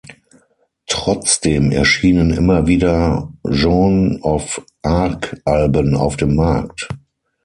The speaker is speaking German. Trotzdem erschienen immer wieder Joan of Arc-Alben auf dem Markt.